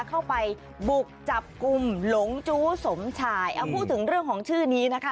เข้าไปบุกจับกลุ่มหลงจู้สมชายเอาพูดถึงเรื่องของชื่อนี้นะคะ